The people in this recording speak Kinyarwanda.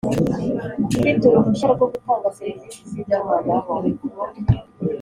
Ufite uruhushya rwo gutanga serivisi z itumanaho